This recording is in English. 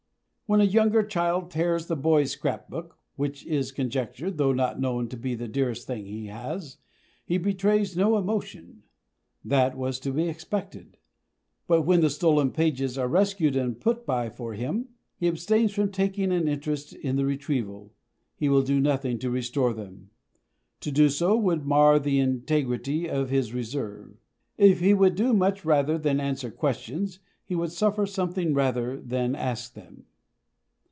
When a younger child tears the boy's scrapbook (which is conjectured, though not known, to be the dearest thing he has) he betrays no emotion; that was to be expected. But when the stolen pages are rescued and put by for him, he abstains from taking an interest in the retrieval; he will do nothing to restore them. To do so would mar the integrity of his reserve. If he would do much rather than answer questions, he would suffer something rather than ask them.